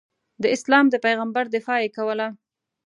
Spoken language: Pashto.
د اسلام د پیغمبر دفاع یې کوله.